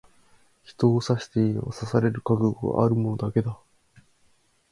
人を刺していいのは、刺される覚悟がある者だけだ。